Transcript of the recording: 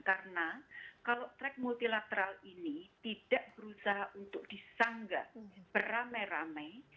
karena kalau trak multilateral ini tidak berusaha untuk disanggah beramai ramai